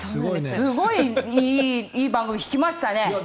すごいいい番組を引きましたね。